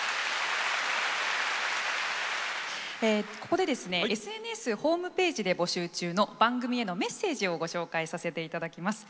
ここでですねＳＮＳホームページで募集中の番組へのメッセージをご紹介させていただきます。